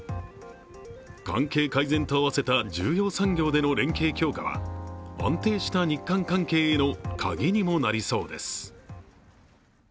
関係改善と合わせた重要産業での連携強化は安定した日韓関係へのカギにもなりそうです。